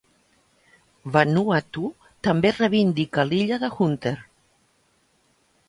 Vanuatu també reivindica l'illa de Hunter.